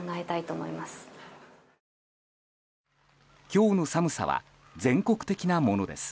今日の寒さは全国的なものです。